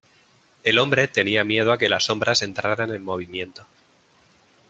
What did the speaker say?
El hombre tenía miedo a que las sombras entraran en movimiento.